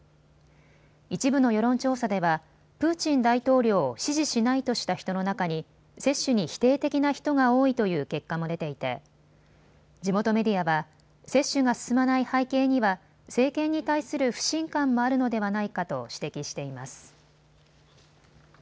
一部の世論調査ではプーチン大統領を支持しないとした人の中に接種に否定的な人が多いという結果も出ていて地元メディアは接種が進まない背景には政権に対する不信感もあるのではないかと指摘しています。